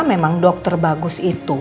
memang dokter bagus itu